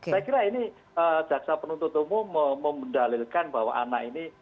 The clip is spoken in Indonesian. saya kira ini jaksa penuntut umum membendalilkan bahwa anak ini